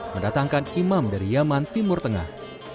mendatangkan imam dari yaman timur tengah